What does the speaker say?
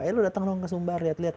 eh lu datang dong ke sumbar lihat lihat